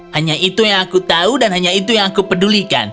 hanya itu yang aku tahu dan hanya itu yang aku pedulikan